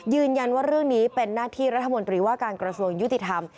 ยืนยันว่าเรื่องนี้เป็นหน้าที่รัฐมนตรีว่าการกระทรวงยุติธรรม